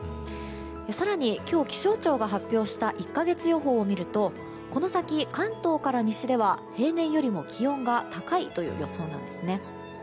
更に今日、気象庁が発表した１か月予報を見るとこの先、関東から西では平年よりも気温が高い予想なんですね。